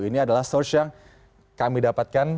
ini adalah source yang kami dapatkan